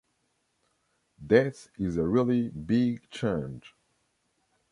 Death is a really big change.